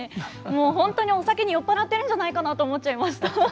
もうホントにお酒に酔っ払ってるんじゃないかなと思っちゃいました。